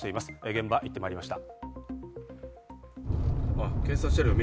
現場に行って参りました。